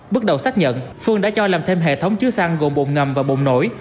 bước đầu xác nhận phương đã cho làm thêm hệ thống chứa xăng gồm bồn ngầm và bồn nổi